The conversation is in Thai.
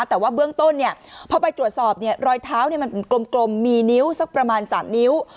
แต่ว่าเบื้องต้นพอไปตรวจสอบรอยเท้ามันเป็นกลมมีนิ้วสักประมาณ๓นิ้ว